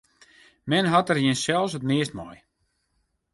Men hat der jinsels it meast mei.